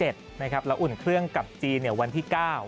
แล้วอุ่นเครื่องกับจีนวันที่๙